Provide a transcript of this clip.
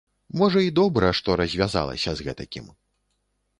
Можа і добра, што развязалася з гэтакім.